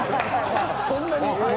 そんなに？